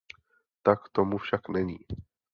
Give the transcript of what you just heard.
Tak tomu však není.